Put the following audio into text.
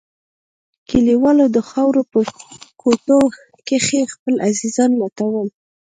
کليوالو د خاورو په کوټو کښې خپل عزيزان لټول.